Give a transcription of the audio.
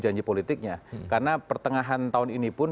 janji politiknya karena pertengahan tahun ini pun